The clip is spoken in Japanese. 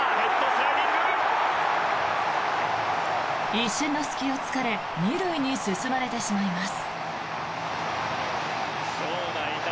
一瞬の隙を突かれ２塁に進まれてしまいます。